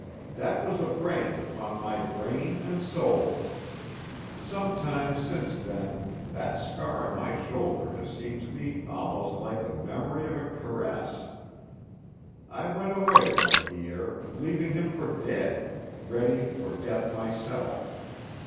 That was a brand upon my brain and soul. Sometimes since then that scar on my shoulder has seemed to me almost like the memory of a caress. I went away from Pierre, leaving him for dead, ready for death myself.